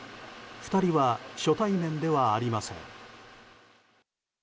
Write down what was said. ２人は初対面ではありません。